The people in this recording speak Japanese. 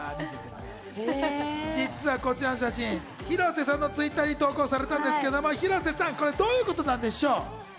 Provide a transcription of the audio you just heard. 実はこちらの写真、広瀬さんのＴｗｉｔｔｅｒに投稿されたんですけど、広瀬さん、これどういうことなんでしょう？